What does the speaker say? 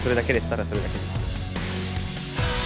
ただそれだけです。